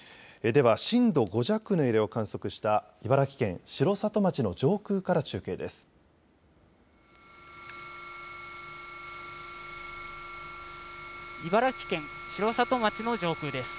では震度５弱の揺れを観測した茨城県城里町の上空から中継です。